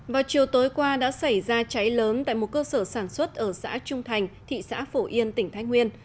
vào chiều tối qua đã xảy ra cháy lớn tại một cơ sở sản xuất ở xã trung thành thị xã phổ yên tỉnh thái nguyên